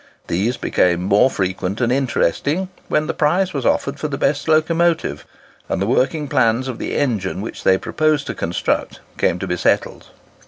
These became more frequent and interesting, when the prize was offered for the best locomotive, and the working plans of the engine which they proposed to construct came to be settled.